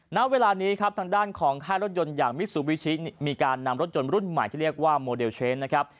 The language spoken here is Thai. ณเวลานี้ครับทางด้านของค่ายรถยนต์อย่างมิซูบิชิมีการนำรถยนต์รุ่นใหม่ที่เรียกว่าโมเดลเชนนะครับ